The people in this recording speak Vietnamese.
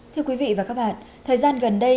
thưa quý vị và các bạn thời gian gần đây